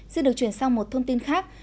xin được chuyển sang một thông tin khác